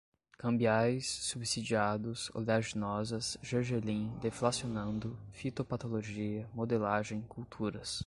cambiais, subsidiados, oleaginosas, gergelim, deflacionando, fitopatologia, modelagem, culturas